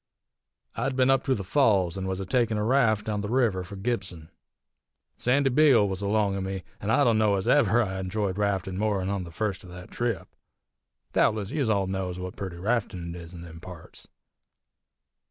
"I'd been up to the Falls, an' was a takin' a raft down the river fur Gibson. Sandy Beale was along o' me, an' I dunno ez ever I enjoyed raftin' more 'n on the first o' thet trip. Doubtless yez all knows what purty raftin' it is in them parts.